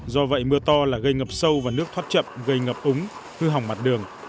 do vậy mưa to là gây ngập sâu và nước thoát chậm gây ngập úng hư hỏng mặt đường